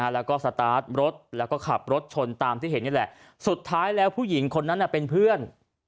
แล้วก็สตาร์ทรถแล้วก็ขับรถชนตามที่เห็นนี่แหละสุดท้ายแล้วผู้หญิงคนนั้นเป็นเพื่อน